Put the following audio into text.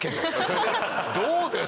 どうです？